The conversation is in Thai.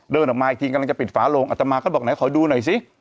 เดินออกมาอีกทีกำลังจะปิดฝาโลงอัตมาก็บอกไหนขอดูหน่อยสิ